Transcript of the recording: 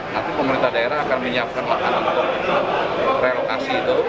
nanti pemerintah daerah akan menyiapkan makanan untuk relokasi itu